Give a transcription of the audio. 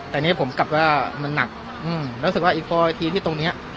แต่เนี้ยผมกลับว่ามันหนักอืมรู้สึกว่าอีกพอทีที่ตรงเนี้ย